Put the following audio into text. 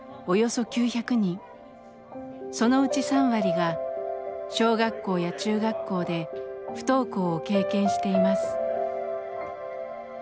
そのうち３割が小学校や中学校で不登校を経験しています。